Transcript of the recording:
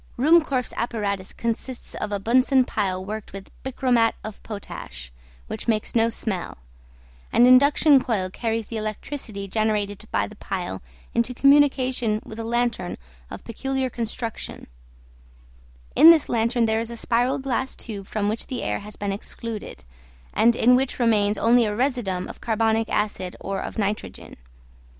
TRANS. Ruhmkorff's apparatus consists of a Bunsen pile worked with bichromate of potash, which makes no smell; an induction coil carries the electricity generated by the pile into communication with a lantern of peculiar construction; in this lantern there is a spiral glass tube from which the air has been excluded, and in which remains only a residuum of carbonic acid gas or of nitrogen.